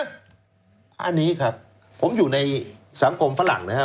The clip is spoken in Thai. อันนี้ครับผมอยู่ในสังคมฝรั่งนะครับ